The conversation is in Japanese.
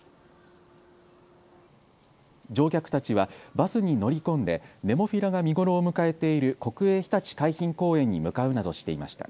乗客たちはバスに乗り込んでネモフィラが見頃を迎えている国営ひたち海浜公園に向かうなどしていました。